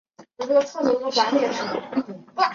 查尔村东部有嚓尔河。